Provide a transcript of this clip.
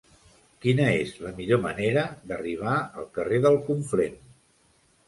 Quina és la millor manera d'arribar al carrer del Conflent?